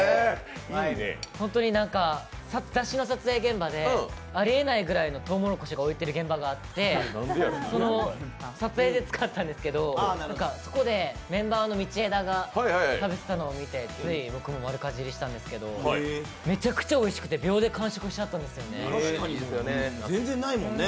本当に雑誌の撮影現場であり得ないぐらいのとうもろこしが置いてある現場があってその撮影で使ったんですけど、こでメンバーの道枝が食べてるのを見てつい僕も丸かじりしたんですけど、めちゃくちゃおいしくて確かに、全然ないもんね。